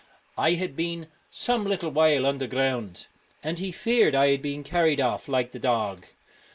' I had been some little while underground, and he feared I had been carried off like the dog.